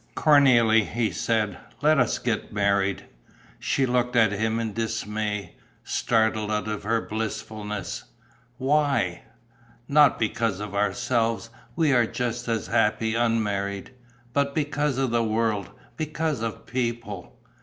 "Cornélie," he said, "let us get married." She looked at him in dismay, startled out of her blissfulness: "Why?" "Not because of ourselves. We are just as happy unmarried. But because of the world, because of people."